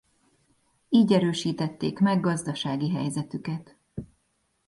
Így erősítették meg gazdasági helyzetüket.